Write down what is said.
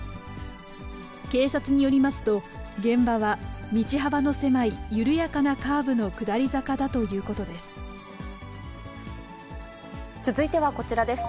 警察によりますと、現場は道幅の狭い緩やかなカーブの下り坂だということです。